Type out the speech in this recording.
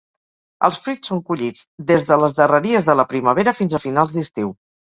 Els fruits són collits des de les darreries de la primavera fins a finals d'estiu.